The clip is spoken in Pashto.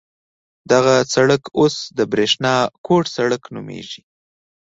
دغه سړک اوس د برېښنا کوټ سړک نومېږي.